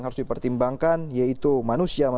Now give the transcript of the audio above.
kerusakan pasti ada ya pasti ada